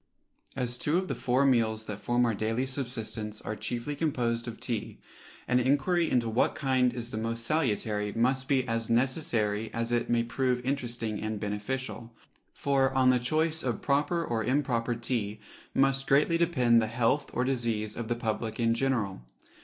As two of the four meals that form our daily subsistence are chiefly composed of tea, an enquiry into what kind is the most salutary must be as necessary as it may prove interesting and beneficial; for, on the choice of proper or improper tea must greatly depend the health or disease of the public in general.